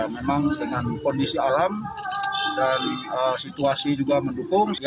memang dengan kondisi alam dan situasi juga mendukung